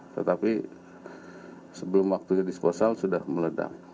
tetapi sebelum waktu di disposal sudah meledak